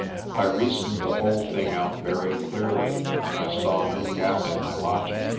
I reasoned the whole thing out very clearly, and I saw no gap in my logic.